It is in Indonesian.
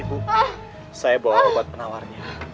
bu saya bawa obat penawarnya